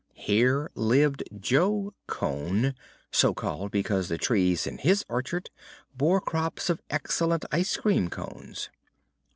Here lived Jo Cone, so called because the trees in his orchard bore crops of excellent ice cream cones.